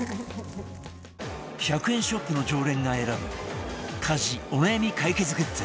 １００円ショップの常連が選ぶ家事お悩み解決グッズ